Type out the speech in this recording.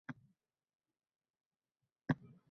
Koʻngilni poklab oling.